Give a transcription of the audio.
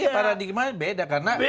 iya paradigmannya beda karena kita nih